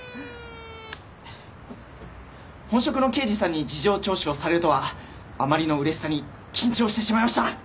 本職の刑事さんに事情聴取をされるとはあまりの嬉しさに緊張してしまいました！